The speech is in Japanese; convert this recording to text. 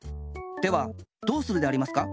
ではどうするでありますか？